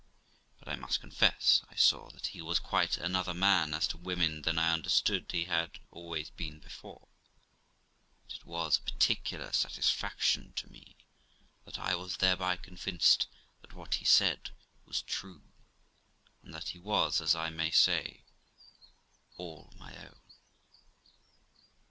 But I must confess I saw that he was quite another man as to women than I understood he had always been before, and it was a particular satisfaction to me that I was thereby convinced that what he said was true, and that he was, as I may say, all my own.